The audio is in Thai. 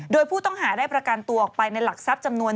โดยผู้ต้องหาได้ประกันตัวออกไปในหลักทรัพย์จำนวน